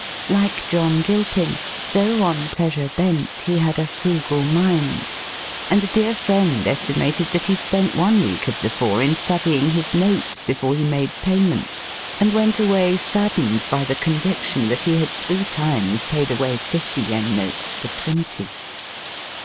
Like John Gilpin, '* tho' on pleasure bent he had a frugal mind," and a dear friend estimated that he spent one week of the four in study ing his notes before he made payments, and went away saddened by the conviction that he Digitized by VjOOQIC 6 EAST BY WEST. had three times paid away fifty yen notes for twenty.